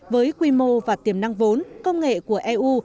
với quy mô và tiềm năng vốn công nghệ của eu